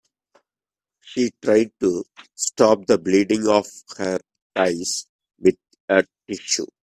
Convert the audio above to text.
She tried to stop the bleeding of her thighs with a tissue.